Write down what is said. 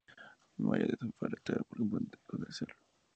Memorias de un forastero que pronto dejó de serlo".